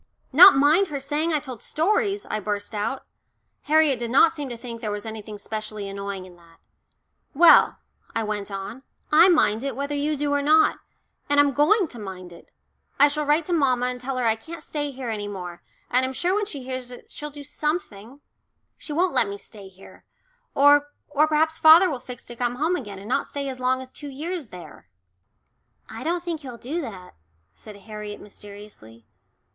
"Not mind her saying I told stories!" I burst out. Harriet did not seem to think there was anything specially annoying in that. "Well," I went on, "I mind it, whether you do or not. And I'm going to mind it. I shall write to mamma and tell her I can't stay here any more, and I'm sure when she hears it she'll do something. She won't let me stay here. Or or perhaps father will fix to come home again and not stay as long as two years there." "I don't think he'll do that," said Harriet mysteriously.